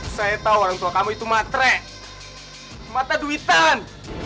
saya tahu orang tua kamu itu matre mata duitan